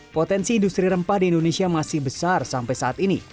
potensi industri rempah di indonesia masih besar sampai saat ini